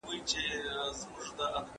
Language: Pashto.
¬ چي مشر ئې ساوڼ وي لښکر ئې گوزاوڼ وي.